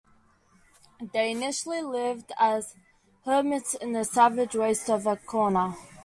They initially lived as hermits in the "savage waste of Accona".